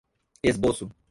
esboço